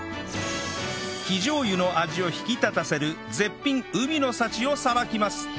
生醤油の味を引き立たせる絶品海の幸を捌きます